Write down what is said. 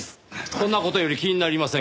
そんな事より気になりませんか？